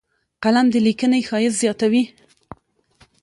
قلم د لیکنې ښایست زیاتوي